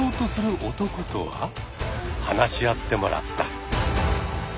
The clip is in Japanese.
話し合ってもらった。